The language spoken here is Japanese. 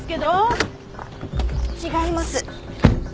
違います。